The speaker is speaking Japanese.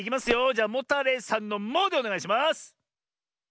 じゃモタレイさんの「モ」でおねがいします！